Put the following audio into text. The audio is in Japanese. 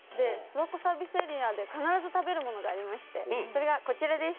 諏訪湖サービスエリアで必ず食べるものがありまして、それがこちらです。